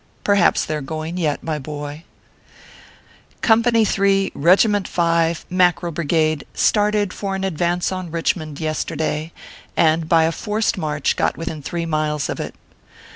Perhaps they re going yet, my boy. Company 3, Kegiment 5, Mackerel Brigade, started for an advance on Kichmond yesterday, and by a forced march got within three miles of it.